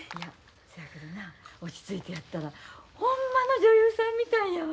そやけどな落ち着いてやったらほんまの女優さんみたいやわ。